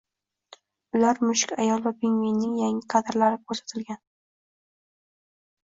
Unda Mushuk ayol va Pingvinning yangi kadrlari ko‘rsatilgan